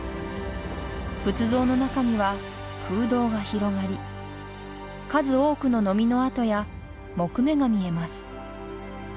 仏像の中には空洞が広がり数多くのノミの跡や木目が見えます。